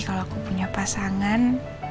kalau aku punya pasangan